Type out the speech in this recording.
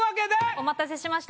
お待たせしました。